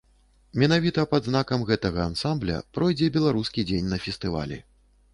Менавіта пад знакам гэтага ансамбля пройдзе беларускі дзень на фестывалі.